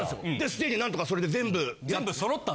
ステージなんとかそれで全部やって。